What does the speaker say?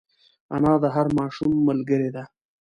انا د هر ماشوم ملګرې ده